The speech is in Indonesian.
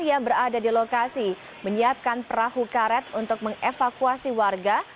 yang berada di lokasi menyiapkan perahu karet untuk mengevakuasi warga